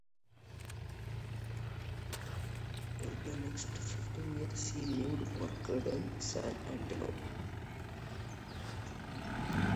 For the next fifteen years, he lived and worked in San Antonio.